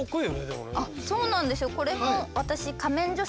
そうなんですよ。